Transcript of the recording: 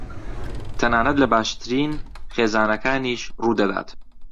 تەنانەت لە باشترین خێزانەکانیش ڕوودەدات.